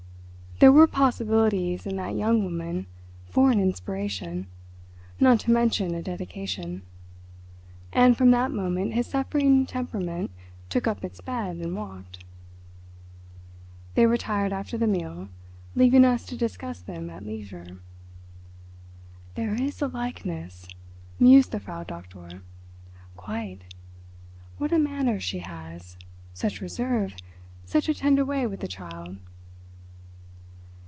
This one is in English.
There were possibilities in that young woman for an inspiration, not to mention a dedication, and from that moment his suffering temperament took up its bed and walked. They retired after the meal, leaving us to discuss them at leisure. "There is a likeness," mused the Frau Doktor. "Quite. What a manner she has. Such reserve, such a tender way with the child."